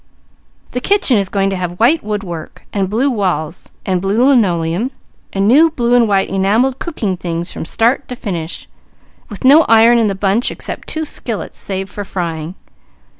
The kitchen is going to have white woodwork, and blue walls and blue linoleum, and new blue and white enamelled cooking things from start to finish, with no iron in the bunch except two skillets saved for frying.